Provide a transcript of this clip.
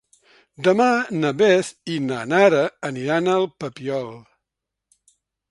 Demà na Beth i na Nara aniran al Papiol.